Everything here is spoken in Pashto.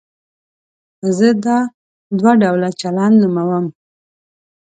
زه دا دوه ډوله چلند نوموم.